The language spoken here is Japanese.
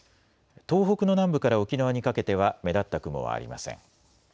東北の南部から沖縄にかけては目立った雲はありません。